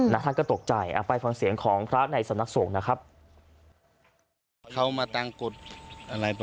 ท่านก็ตกใจไปฟังเสียงของพระในสำนักสงฆ์นะครับ